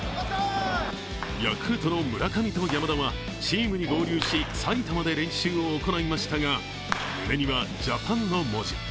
ヤクルトの村上と山田はチームに合流し埼玉で練習を行いましたが、胸には「ＪＡＰＡＮ」の文字。